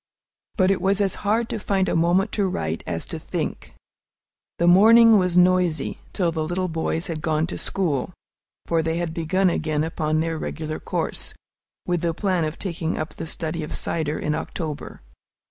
But it was as hard to find a moment to write as to think. The morning was noisy, till the little boys had gone to school; for they had begun again upon their regular course, with the plan of taking up the study of cider in October.